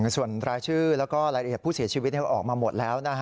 ส่วนรายชื่อแล้วก็รายละเอียดผู้เสียชีวิตออกมาหมดแล้ว